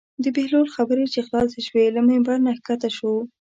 د بهلول خبرې چې خلاصې شوې له ممبر نه کښته شو.